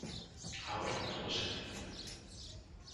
Ahora todos se han ido